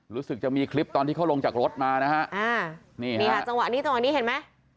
รู้สึกจะมีคลิปตอนที่เขาลงจากรถมานะฮะอ่านี่นี่ค่ะจังหวะนี้จังหวะนี้เห็นไหม